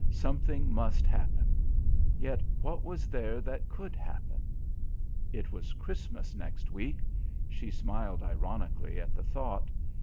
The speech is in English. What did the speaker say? Something must happen. Yet what was there that could happen? It was Christmas next week. She smiled ironically at the thought.